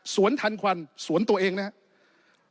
ทันควันสวนตัวเองนะครับ